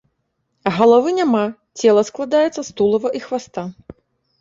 Галавы няма, цела складаецца з тулава і хваста.